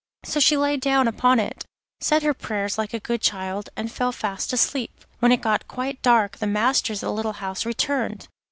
So she lay down upon it, said her prayers like a good child, and fell fast asleep. When it got quite dark the masters of the little house returned.